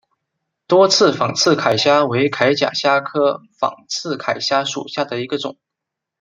多刺仿刺铠虾为铠甲虾科仿刺铠虾属下的一个种。